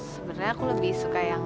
sebenarnya aku lebih suka yang